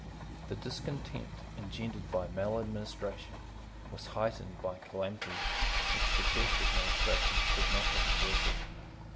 The discontent engendered by maladministration was heightened by calamities which the best administration could not have averted.